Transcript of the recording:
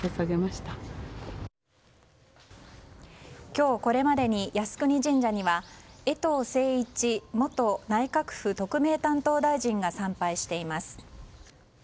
今日、これまでに靖国神社には衛藤晟一元内閣府特命担当大臣が参拝しています。